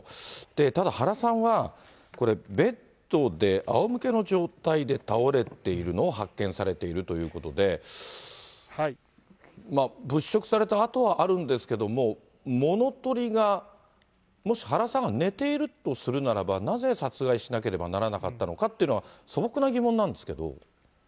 ただ、原さんはこれ、ベッドであおむけの状態で倒れているのを発見されているということで、物色された跡はあるんですけれども、物とりがもし原さんが寝ているとするならば、なぜ殺害しなければならなかったのかっていうのが、素朴な疑問なんですけど。